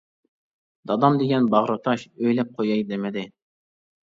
دادام دېگەن باغرى تاش، ئۆيلەپ قوياي دېمىدى.